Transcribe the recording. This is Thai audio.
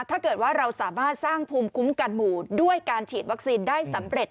ถ้าเกิดว่าเราสามารถสร้างภูมิคุ้มกันหมู่ด้วยการฉีดวัคซีนได้สำเร็จ